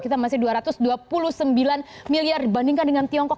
kita masih dua ratus dua puluh sembilan miliar dibandingkan dengan tiongkok